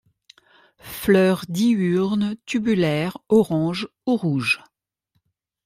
Fleurs diurnes tubulaires orange ou rouges.